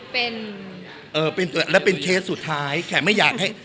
เป็นเอ่อเป็นและเป็นเคสสุดท้ายแขกไม่อยากให้